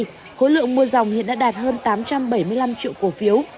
khối lượng mua dòng hiện đã đạt hơn tám trăm bảy mươi năm triệu cổ phiếu